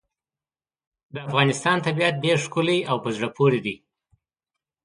د افغانستان طبیعت ډېر ښکلی او په زړه پورې دی.